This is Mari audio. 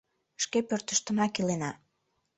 Шке пӧртыштынак илена.